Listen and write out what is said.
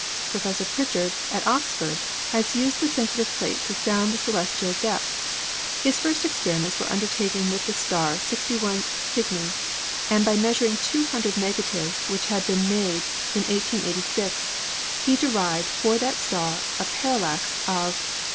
Professor Pritchard, at Ox ford, has used the sensitive plate to sound the celes tial depths. His first experiments were undertaken with the star 61 Cygni, and by measuring 200 negatives which had been made in 1886 he derived for that star a parallax of 0.